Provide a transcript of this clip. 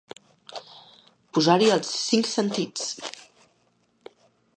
Posar-hi els cinc sentits.